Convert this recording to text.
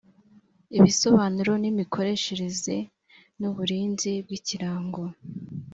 ibisobanuro imikoreshereze n uburinzi by ikirango